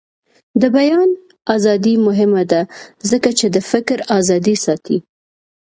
د بیان ازادي مهمه ده ځکه چې د فکر ازادي ساتي.